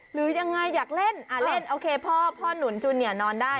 หรือยังไงอยากเล่นเล่นโอเคพ่อพ่อหนุนจุนเนี่ยนอนได้